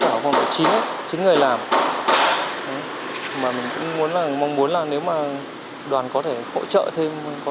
cả của đội chính chính người làm mà mình cũng muốn là mong muốn là nếu mà đoàn có thể hỗ trợ thêm có